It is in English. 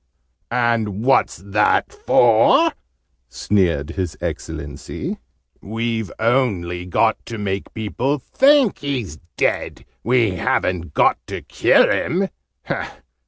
"And what's that for?" sneered His Excellency. "We've only got to make people think he's dead! We haven't got to kill him!